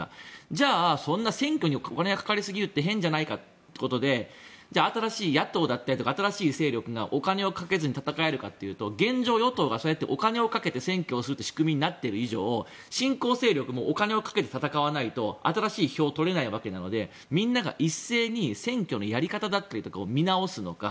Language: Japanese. じゃあ、そんな選挙にお金がかかりすぎるって変じゃないかといって新しい野党だったりとか新しい勢力がお金をかけずに戦えるかというと現状、与党がそうやってお金をかけて選挙をするって仕組みになってる以上新興勢力もお金をかけて戦わないと新しい票を取れないわけなのでみんなが一斉に選挙のやり方だったりとかを見直すのか。